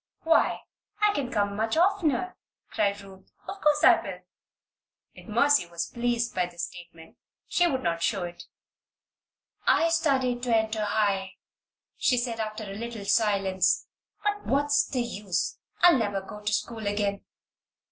"Why, I can come much oftener," cried Ruth. "Of course I will." If Mercy was pleased by this statement, she would not show it. "I studied to enter High," she said, after a little silence. "But what's the use? I'll never go to school again.